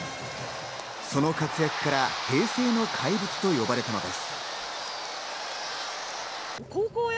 その活躍から平成の怪物と呼ばれたのです。